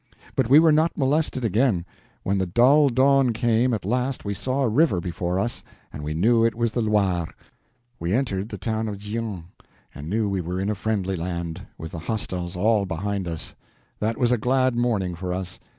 But we were not molested again. When the dull dawn came at last we saw a river before us and we knew it was the Loire; we entered the town of Gien, and knew we were in a friendly land, with the hostiles all behind us. That was a glad morning for us.